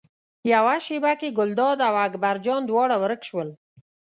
یوه شېبه کې ګلداد او اکبر جان دواړه ورک شول.